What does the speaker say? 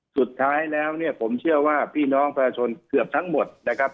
สุดท้ายแล้วเนี่ยผมเชื่อว่าพี่น้องประชาชนเกือบทั้งหมดนะครับ